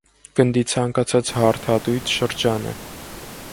Գնդի ցանկացած հարթ հատույթ շրջան է։